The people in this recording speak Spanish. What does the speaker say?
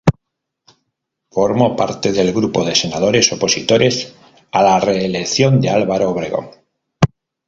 Formó parte del grupo de senadores opositores a la reelección de Álvaro Obregón.